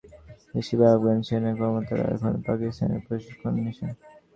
নিরাপত্তা সহযোগিতার চুক্তির অংশ হিসেবে আফগান সেনা কর্মকর্তারা এখন পাকিস্তানে প্রশিক্ষণ নিচ্ছেন।